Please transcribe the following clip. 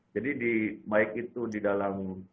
jadi baik itu di dalam